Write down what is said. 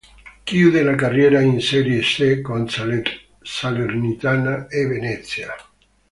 Chiude la carriera in Serie C con Salernitana e Venezia.